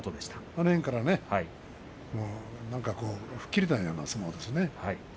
あの辺から何か吹っ切れたような相撲ですね。